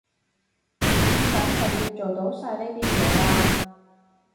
噉梗係要做到晒呢啲嘢啦